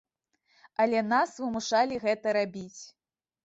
Але нас вымушалі гэта рабіць.